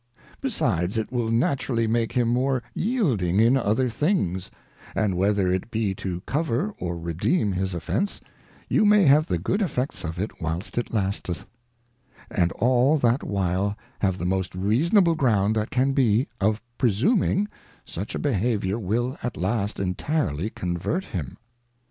Besides, it will naturally make him more yielding in other things : And whether it be to cover or redeem his Offence, you may have the good Effects of it whilst it lasteth, and all that while have the most reasonable Ground that can be, of presuming, such a Behaviour wUl at last entirely convert him.